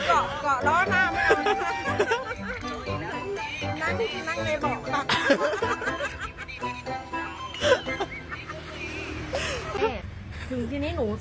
สินคอดเธอดูนี่ว่าที่เชิญแต่ให้รู้ว่ามีอะไรที่ไม่รู้